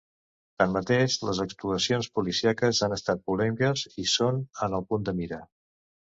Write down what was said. Tanmateix, les actuacions policíaques han estat polèmiques i són en el punt de mira.